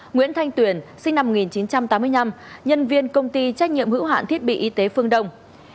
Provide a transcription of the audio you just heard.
nguyễn thanh tuyền sinh năm một nghìn chín trăm tám mươi năm nhân viên công ty trách nhiệm hữu hạn thiết bị y tế phương đông